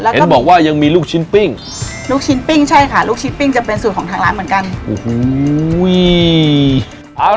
เห็นบอกว่ายังมีลูกชิ้นปิ้งลูกชิ้นปิ้งใช่ค่ะลูกชิ้นปิ้งจะเป็นสูตรของทางร้านเหมือนกันโอ้โห